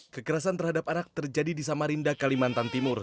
kekerasan terhadap anak terjadi di samarinda kalimantan timur